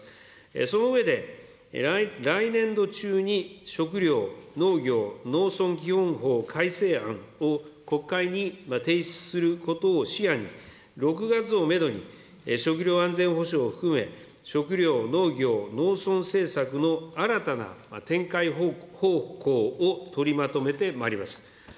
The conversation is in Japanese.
その上で、来年度中に食料、農業、農村基本法改正案を国会に提出することを視野に、６月をメドに食料安全保障を含め、食料、農業、農村政策の新たな展開方向を取りまとめてまいります。